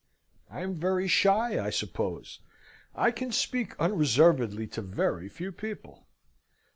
I am very shy, I suppose: I can speak unreservedly to very few people.